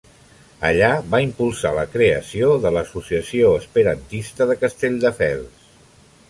Allà va impulsar la creació de l'Associació Esperantista de Castelldefels.